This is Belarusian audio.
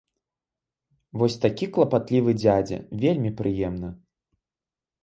Вось такі клапатлівы дзядзя, вельмі прыемна!